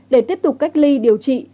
để tiếp tục cách ly điều trị